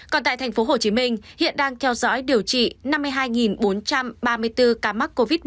còn tại tp hcm hiện đang theo dõi điều trị năm mươi hai bốn trăm ba mươi bốn ca mắc covid một mươi chín